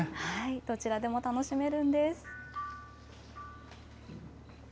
どちらでも楽しめるんです。